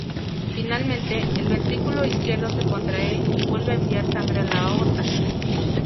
Finalmente, el ventrículo izquierdo se contrae y vuelve a enviar sangre hacia la aorta.